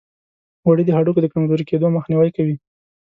غوړې د هډوکو د کمزوري کیدو مخنیوي کوي.